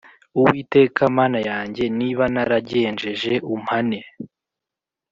Uwiteka Mana yanjye niba naragenjeje umpane